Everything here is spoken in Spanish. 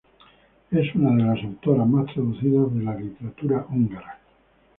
Es una de las autoras más traducidas de la literatura húngara.